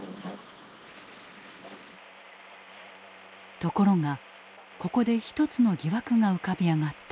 ところがここで一つの疑惑が浮かび上がった。